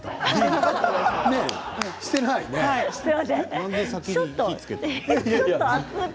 なんで、先に火をつけた？